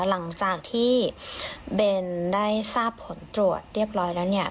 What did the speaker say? หลังจากที่เบนได้ทราบผลตรวจเรียบร้อยแล้วเนี่ย